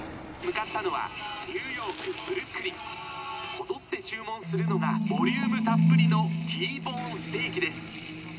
こぞって注文するのがボリュームたっぷりのＴボーンステーキです」。